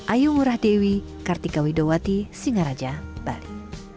ayu ngurah dewi kartika widowati singaraja bali